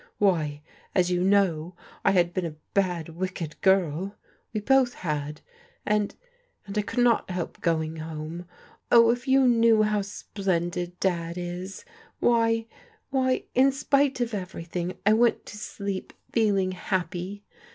Why, as you know, I had been a bad, wicked girl: — ^we both had; and — and I could not help going home. Oh, if you knew how splendid Dad is ! Why,— why, — in spite of everything, I went to sleep feeling happy.